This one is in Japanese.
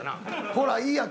ほらいいやん。